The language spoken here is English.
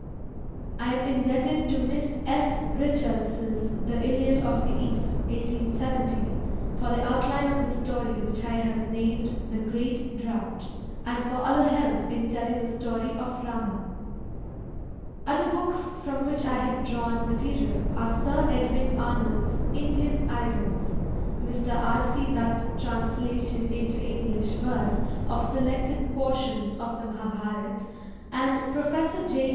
I am indebted to Miss F. Richardson's The Iliad of the East (1870) for the outline of the story which I have named The Great Drought, and for other help in telling the story of Rama. Other books from which I have drawn material are Sir Edwin Arnold's Indian Idylls, Mr. R. C. Dutt's translation into English verse of selected portions of the Mahabharata, and Professor J.